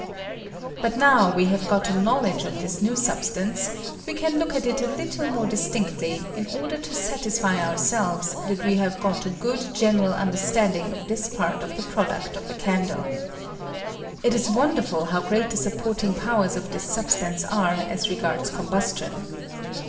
But now we have got a knowledge of this new substance, we can look at it a httle more distinctly, in order to satisfy ourselves that we have got a good general understanding of this part of the product of a candle. It is wonder ful how great the supporting powers of this substance are as regards combustion.